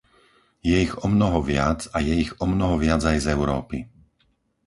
Je ich omnoho viac a je ich omnoho viac aj z Európy.